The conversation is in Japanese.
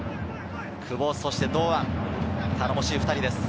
久保、そして堂安、頼もしい２人です。